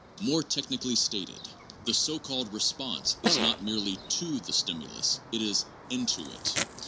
More technically stated, the so called response is not merely to the stimulus ; it is into it.